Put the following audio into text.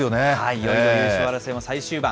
いよいよ優勝争いも最終盤。